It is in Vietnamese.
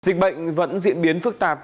dịch bệnh vẫn diễn biến phức tạp